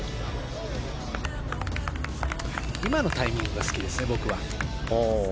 今のタイミングが好きですね、僕は。